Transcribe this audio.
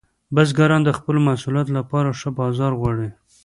بزګران د خپلو محصولاتو لپاره ښه بازار غواړي.